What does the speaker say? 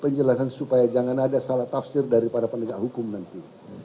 penjelasan supaya jangan ada salah tafsir dari para penegak hukum nanti